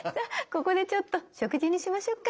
ここでちょっと食事にしましょうか。